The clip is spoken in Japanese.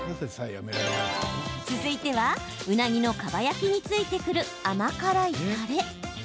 続いてはうなぎのかば焼きについてくる甘辛いたれ。